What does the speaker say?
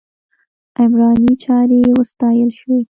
عمراني چارې وستایل شوې.